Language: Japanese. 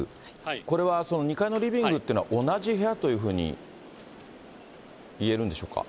これは２階のリビングっていうのは、同じ部屋というふうに言えるんでしょうか。